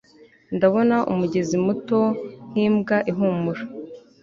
ndabona umugezi muto nkimbwa ihumura